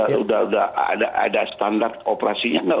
sudah ada standar operasinya